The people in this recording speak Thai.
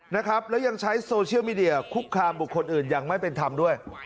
นะครับแล้วยังใช้โซเชียลมีเดียคุกคามบุคคลอื่นยังไม่เป็นธรรมด้วย